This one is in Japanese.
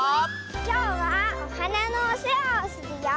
きょうはおはなのおせわをするよ！